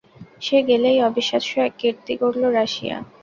সে গোলেই অবিশ্বাস্য এক কীর্তি গড়ল রাশিয়া।